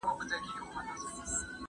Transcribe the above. حکومتونه ولي د وګړو شخصي حریم ساتي؟